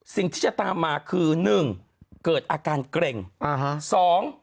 สิ่งที่จะตามมาคือ๑เกิดอาการเกร็ง